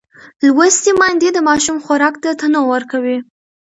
لوستې میندې د ماشوم خوراک ته تنوع ورکوي.